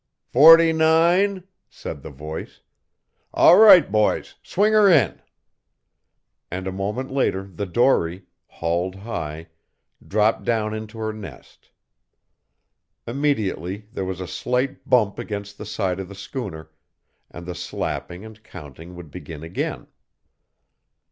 "Forty nine," said the voice. "All right, boys, swing her in." And a moment later the dory, hauled high, dropped down into her nest. Immediately there was a slight bump against the side of the schooner, and the slapping and counting would begin again.